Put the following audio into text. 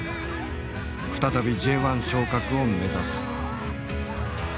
再びＪ１昇格を目指す。